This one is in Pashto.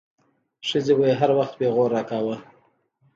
ښځې به يې هر وخت پيغور راکاوه.